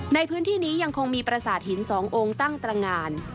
ในพื้นที่นี้ยังคงมีประสาทหิน๒องค์ตั้งตรงาน